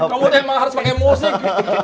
kamu emang harus pakai musik